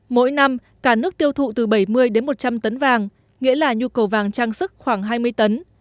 mỗi năm cả nước tiêu thụ từ bảy mươi đến một trăm linh tấn vàng nghĩa là nhu cầu vàng trang sức khoảng hai mươi tấn